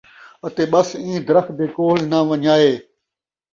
اَتے ٻَس اِیں درخت دے کولھ نہ وَن٘ڄائے